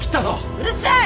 うるさい！